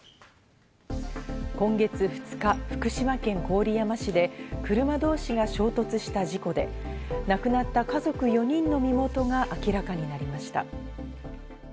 今月２日、福島県郡山市で車同士が衝突した事故で、亡くなった家族４人の身元が明らかになりました。